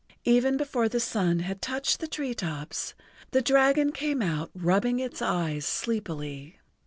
Even before the sun had touched the treetops the dragon came out rubbing its eyes sleepily.